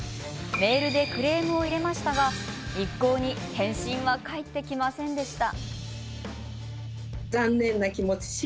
メールでクレームを入れましたが一向に返信は返ってきませんでした。